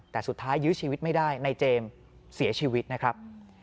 แต่สุดท้ายยื้อชีวิตไม่ได้ในเจมส์เสียชีวิตนะครับ